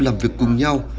làm việc cùng nhau